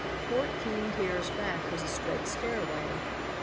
Fourteen tiers back was a straight stairway.